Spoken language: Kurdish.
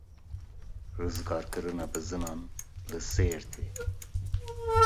Rizgarkirina bizinan li Sêrtê.